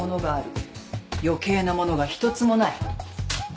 余計なものが１つもない。